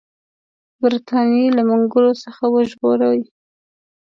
برټانیې له منګولو څخه وژغوري.